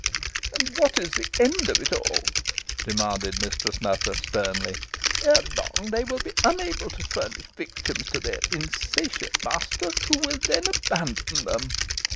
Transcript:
"And what is the end of it all?" demanded Mistress Nutter, sternly. "Erelong, they will be unable to furnish victims to their insatiate master, who will then abandon them.